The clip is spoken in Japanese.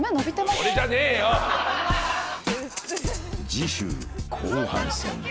［次週後半戦］